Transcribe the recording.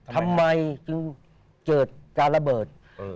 ทำไมจึงเกิดการระเบิด